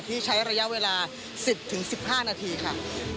ใช้ระยะเวลา๑๐๑๕นาทีค่ะ